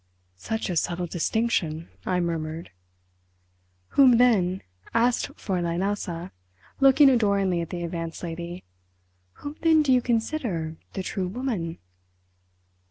"Such a subtle distinction!" I murmured. "Whom then," asked Fräulein Elsa, looking adoringly at the Advanced Lady—"whom then do you consider the true woman?"